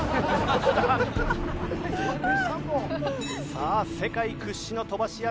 さあ世界屈指の飛ばし屋